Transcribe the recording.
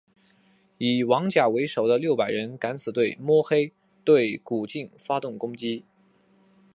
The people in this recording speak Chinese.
以王甲为首的六百人敢死队摸黑对古晋发动攻击。